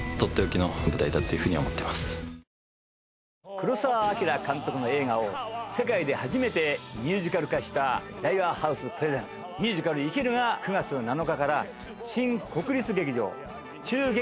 黒澤明監督の映画を世界で初めてミュージカル化したＤａｉｗａＨｏｕｓｅｐｒｅｓｅｎｔｓミュージカル『生きる』が９月７日から新国立劇場中劇場にて上演いたします。